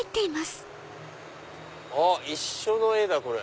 あっ一緒の絵だ。